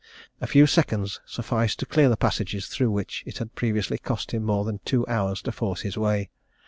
A few seconds sufficed to clear the passages through which it had previously cost him more than two hours to force his way.